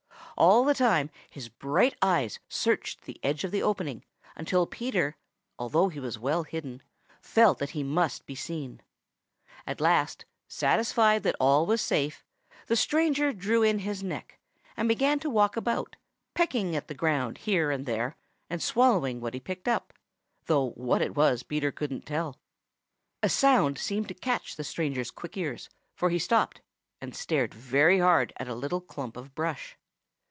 All the time his bright eyes searched the edge of the opening until Peter, although he was well hidden, felt that he must be seen. At last, satisfied that all was safe, the stranger drew in his neck and began to walk about, pecking at the ground here and there and swallowing what he picked up, though what it was Peter couldn't tell. A sound seemed to catch the stranger's quick ears, for he stopped and stared very hard at a little clump of brush.